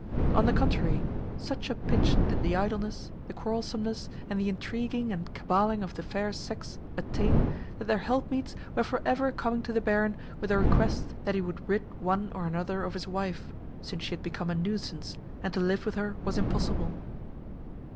On the contrary, such a pitch did the idleness, the quarrelsomeness, and the intriguing and caballing of the fair sex attain that their helpmeets were for ever coming to the barin with a request that he would rid one or another of his wife, since she had become a nuisance, and to live with her was impossible.